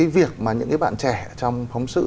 việc mà những bạn trẻ trong phóng sự